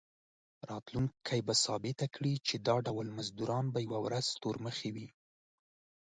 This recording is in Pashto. راتلونکي به ثابته کړي چې دا ډول مزدوران به یوه ورځ تورمخي وي.